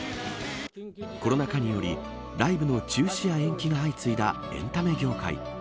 コロナ禍により、ライブの中止や延期が相次いだエンタメ業界。